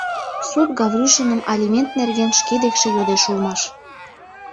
Суд Гаврюшиным алимент нерген шке декше йодеш улмаш.